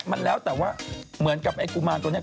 มันแล้วแต่ว่าเหมือนกับไอ้กุมารตัวนี้